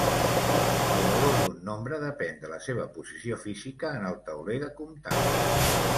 El valor d'un nombre depèn de la seva posició física en el tauler de comptar.